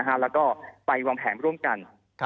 แล้วก็ไปวางแผนร่วมกัน